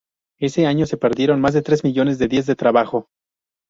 Ese año se perdieron más de tres millones de días de trabajo.